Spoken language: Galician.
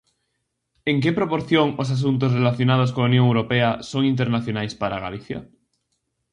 En que proporción os asuntos relacionados coa Unión Europea son internacionais para Galicia?